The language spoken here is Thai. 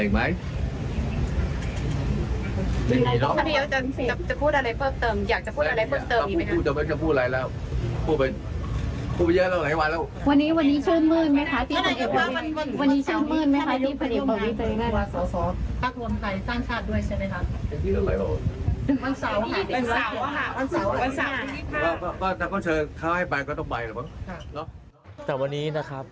วันนี้เชิงมืดมั้ยคะที่ผนิทปรวิเจด